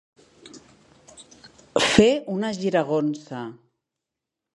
Fer una giragonsa.